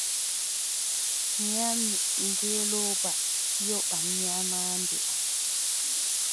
Ƴami ngeelooba: yoɓan nyamaande am.